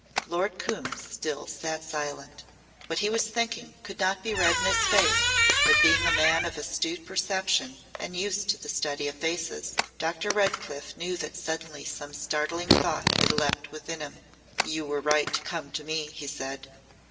'" Lord Coombe still sat silent. What he was thinking could not be read in his face but being a man of astute perception and used to the study of faces Dr. Redcliff knew that suddenly some startling thought had leaped within him. "You were right to come to me," he said.